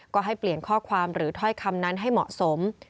ก็ให้เปลี่ยนข้อความหรือถ้อยคำนั้นให้เหมาะสม